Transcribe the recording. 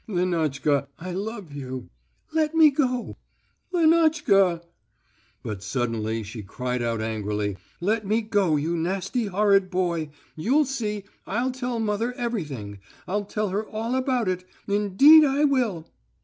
"Lenotchka, I love you...." "Let me go...." "Lenotchka!" But suddenly she cried out angrily: "Let me go, you nasty, horrid boy. You'll see, I'll tell mother everything; I'll tell her all about it. Indeed, I will."